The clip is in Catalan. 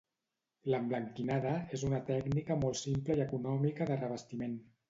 L'emblanquinada és una tècnica molt simple i econòmica de revestiment.